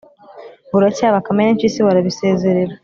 Buracya, Bakame n' impyisi barabisezerera